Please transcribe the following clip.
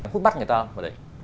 hút bắt người ta vào đây